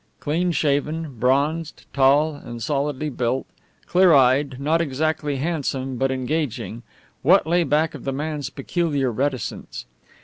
Clean shaven, bronzed, tall, and solidly built, clear eyed, not exactly handsome but engaging what lay back of the man's peculiar reticence?